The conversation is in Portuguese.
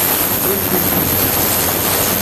presumindo-se